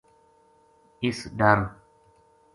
اِس ڈر